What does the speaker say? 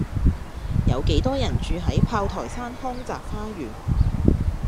有幾多人住喺炮台山康澤花園